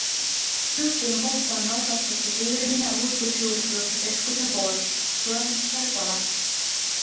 Juhtunu kohta on algatatud uurimine ohutusjuurdluse keskuse poolt, tulemust veel pole.